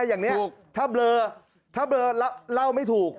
อย่างนี้ถ้าเบลอเล่าไม่ถูก